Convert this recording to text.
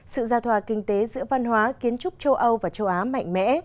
sự gia thòa kinh tế giữa văn hóa kiến trúc châu âu và châu á mạnh mẽ